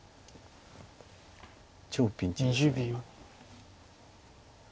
超ピンチです今。